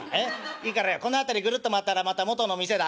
いいからよこの辺りぐるっと回ったらまた元の店だ。